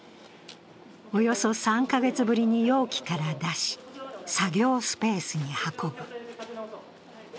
およそ３か月ぶりに容器から出し作業スペースに運ぶ。